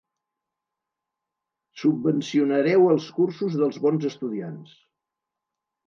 Subvencionareu els cursos dels bons estudiants.